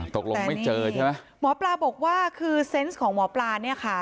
ตกลงไม่เจอใช่ไหมหมอปลาบอกว่าคือเซนต์ของหมอปลาเนี่ยค่ะ